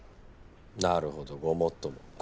なるほどごもっとも。